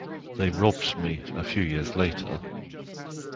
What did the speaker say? They robbed me a few years later.